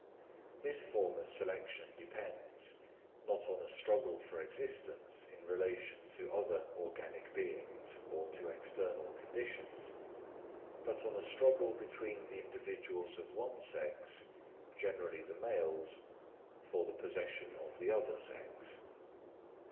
This form of selection depends, not on a struggle for existence in relation to other organic beings or to external conditions, but on a struggle between the individuals of one sex, generally the males, for the possession of the other sex.